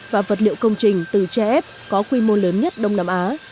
và vật liệu công trình từ tre ép có quy mô lớn nhất đông nam á